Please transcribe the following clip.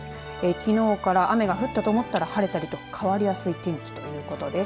きのうから雨が降ったと思ったら晴れたりと変わりやすい天気ということです。